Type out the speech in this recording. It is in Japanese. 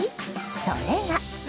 それが。